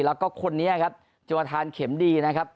แล้วก็คนนี้ครับจวทานเข็มดีนะครับ